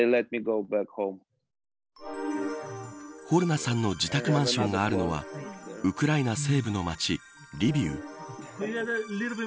ホルナさんの自宅マンションがあるのはウクライナ西部の町リビウ。